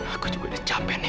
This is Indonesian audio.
aku juga udah capek nih